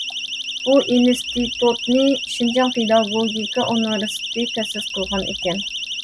بۇ ئىنستىتۇتنى شىنجاڭ پېداگوگىكا ئۇنىۋېرسىتېتى تەسىس قىلغان ئىكەن.